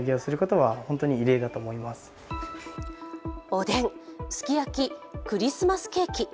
おでん、すき焼き、クリスマスケーキ。